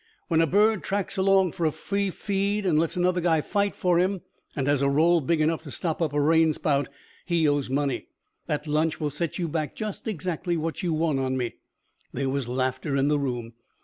"When a bird tracks along for a free feed and lets another guy fight for him and has a roll big enough to stop up a rainspout, he owes money. That lunch will set you back just exactly what you won on me." There was laughter in the room.